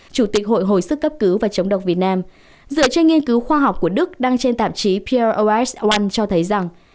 chủ tịch hội hồi sức cấp cứu và chống độc việt nam dựa trên nghiên cứu khoa học của đức đăng trên tạp chí pros một cho thấy rằng